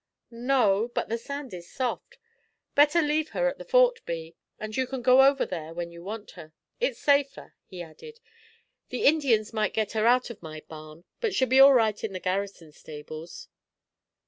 "No; but the sand is soft. Better leave her at the Fort, Bee, and you can go over there when you want her. It's safer," he added. "The Indians might get her out of my barn, but she'll be all right in the garrison stables."